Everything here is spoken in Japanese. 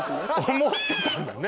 思ってたんだね。